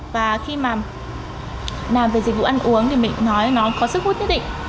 và khi mà làm về dịch vụ ăn uống thì mình nói nó có sức hút nhất định